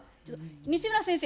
西村先生